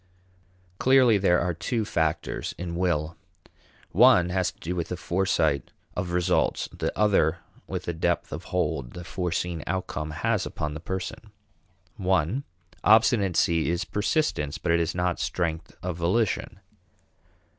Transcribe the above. Clearly there are two factors in will. One has to do with the foresight of results, the other with the depth of hold the foreseen outcome has upon the person. (I) Obstinacy is persistence but it is not strength of volition.